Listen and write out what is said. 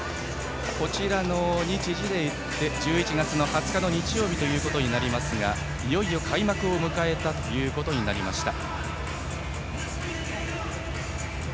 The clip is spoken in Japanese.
こちらの日時で１１月２０日の日曜日ですがいよいよ開幕を迎えたということになりました。